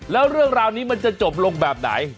แล้วเรื่องราวนี้มันจะจบลงแบบไหน